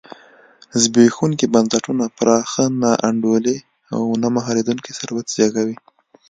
زبېښونکي بنسټونه پراخه نا انډولي او نه مهارېدونکی ثروت زېږوي.